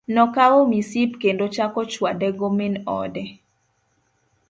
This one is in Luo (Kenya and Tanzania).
Nokawo misip kendo chako chwade go min ode.